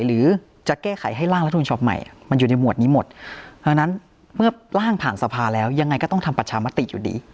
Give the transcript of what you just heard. หรือจะแก้ไขให้ร่างรัฐมนุนฉบับใหม่มันอยู่ในหวดนี้หมดดังนั้นเมื่อร่างผ่านสภาแล้วยังไงก็ต้องทำประชามติอยู่ดี